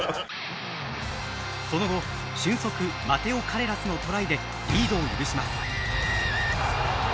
その後俊足マテオ・カレラスのトライでリードを許します。